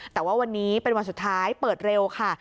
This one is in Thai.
แต่ว่าวันนี้เป็นวันสุดท้ายเปิดเร็วค่ะ